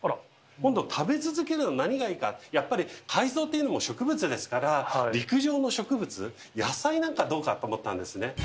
今度は食べ続けるのには何がいいか、やっぱり海藻っていうのも植物ですから、陸上の植物、野菜なんかどうかと思ったんですね。